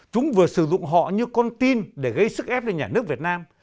chúng vừa sử dụng họ như con tin để gây sức ép cho nhà nước việt nam